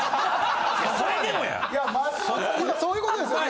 今そういうことですよね？